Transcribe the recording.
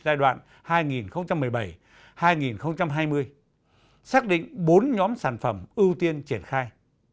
giai đoạn hai nghìn một mươi bảy hai nghìn hai mươi xác định bốn nhóm sản phẩm ưu tiên triển khai